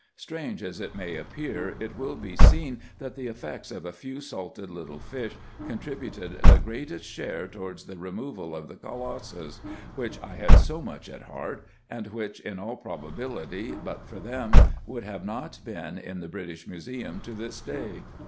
Strange as it may appear, it will be seen that the effects of a few salted little fish contributed the greatest share towards the removal of the colossus, which I had so much at heart, and which, in all probability, but for them, would not have been in the British Museum to this day.